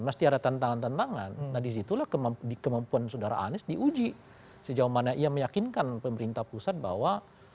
mesti ada tantangan tantangan nah disitulah kemampuan saudara anies diuji sejauh mana ia meyakinkan pemerintah pusat bahwa